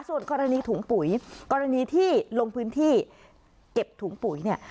ส่วนกรณีถุงปุ๋ยกรณีที่ลงพื้นที่เก็บถุงปุ๋ยเนี่ย